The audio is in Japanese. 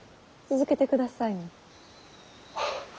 続けてくださいな。